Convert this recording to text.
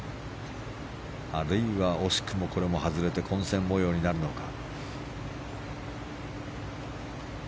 あるいは惜しくもこれも外れて混戦模様になるのか。